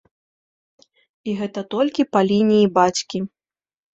І гэта толькі па лініі бацькі.